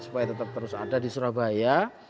supaya tetap terus ada di surabaya